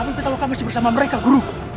tapi kalau kami masih bersama mereka guru